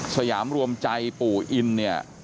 สยามรวมใจปู่อินเนี่ย